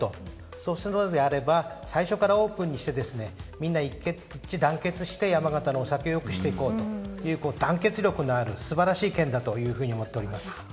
そうならば最初からオープンにしてみんな一致団結して山形のお酒を良くしていこうという団結力のある素晴らしい県だと思っております。